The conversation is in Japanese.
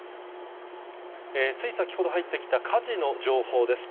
つい先ほど入ってきた火事の情報です。